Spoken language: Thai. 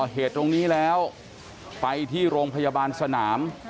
เหตุตรงนี้แล้วไปที่โรงพยาบาลสนาม